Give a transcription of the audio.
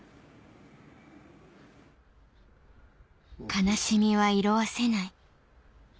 悲しみは色あせない